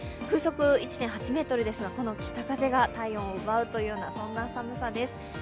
風速１．８メートルですがこの北風が体温を奪うというような、そんな寒さです。